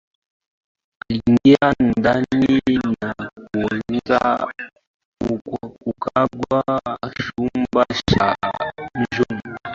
Aliingia ndani na kuanza kukagua chumba cha mmoja mmoja